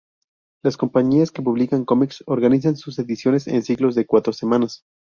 Las compañías que publican comics organizan sus ediciones en ciclos de cuatro semanas.